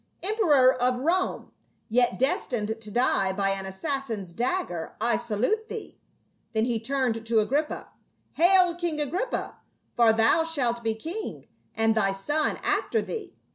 " Emperor of Rome, yet destined to die by an assassin's dagger, I salute thee." Then he turned to Agrippa. " Hail, King Aprippa ! for thou shalt be king, and thy son after thee.